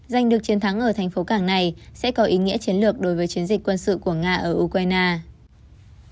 giành được chiến thắng ở thành phố cảng này sẽ có ý nghĩa chiến lược đối với chiến dịch quân sự của nga ở ukraine